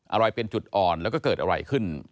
อะไรเป็นจุดอ่อนแล้วก็เกิดอะไรขึ้น